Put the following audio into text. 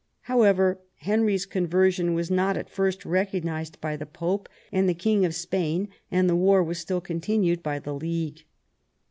However, Henry's conversion was not at first recognised by the Pope and the King of Spain, and the war was still continued by the league.